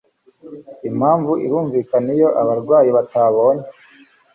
Impamvu irumvikana Iyo abarwayi batabonye